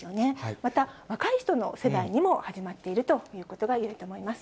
また若い人の世代にも始まっているということがいえると思います。